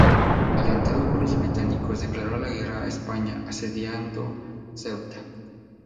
Alentado por los británicos declaró la guerra a España asediando Ceuta.